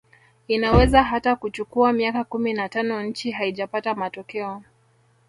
Inaweza hata kuchukua miaka kumi na tano nchi haijapata matokeo